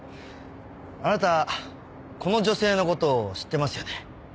あなたこの女性の事を知ってますよね？